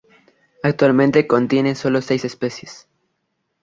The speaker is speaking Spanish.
Actualmente contiene solo seis especies.